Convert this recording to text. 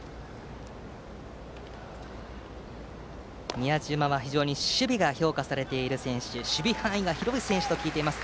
宮嶋は非常に守備が評価されている選手守備範囲が広い選手と聞いています。